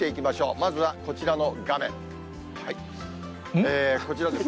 まずはこちらの画面、こちら。